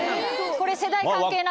これ。